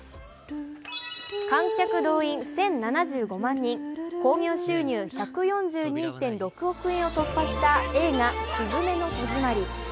観客動員１０７５万人、興行収入１４２．６億円を突破した映画「すずめの戸締まり」。